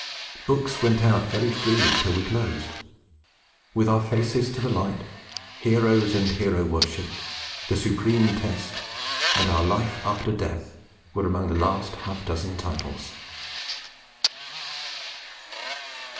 Books went out very freely till we closed. With Our Faces to the Light, Heroes and Hero Worship, The Supreme Test, and Our Life after Death, were among the last half dozen titles!